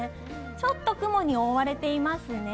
ちょっと雲に覆われていますね。